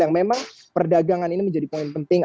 yang memang perdagangan ini menjadi poin penting